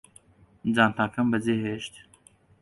جانتاکەمم بەجێهێشت